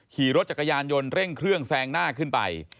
ขี่รถจักรยานยนต์เร่งเครื่องแซงหน้าขึ้นไป